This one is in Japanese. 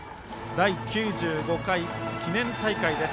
第９５回記念大会です